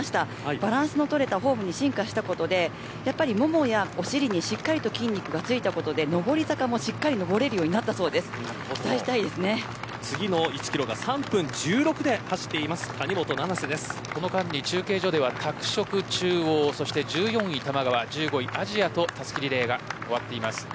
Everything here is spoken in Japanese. バランスのとれたフォームに進化したことでももやお尻にしっかりと筋肉がついたことで上り坂もしっかり登れるようになったということで次の１キロは３分１６でこの間に中継所では拓殖、中央玉川、亜細亜とたすきリレーが終わっています。